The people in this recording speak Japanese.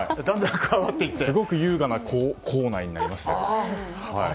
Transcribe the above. すごく優雅な口内になりました。